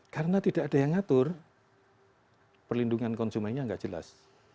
karena tidak ada yang ngatur perlindungan konsumennya nggak jelas